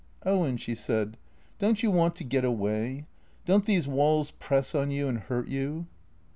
" Owen," she said, " don't you want to get away ? Don't these walls press on you and hurt you